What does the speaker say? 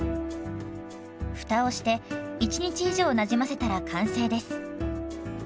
蓋をして１日以上なじませたら完成です。